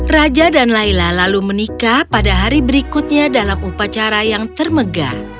raja dan laila lalu menikah pada hari berikutnya dalam upacara yang termegah